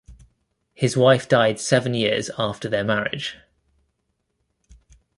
His wife died seven years after their marriage.